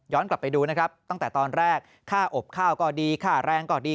กลับไปดูนะครับตั้งแต่ตอนแรกค่าอบข้าวก็ดีค่าแรงก็ดี